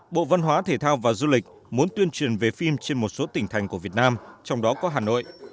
bộ văn hóa thể thao và du lịch muốn tuyên truyền về phim trên một số tỉnh thành của việt nam trong đó có hà nội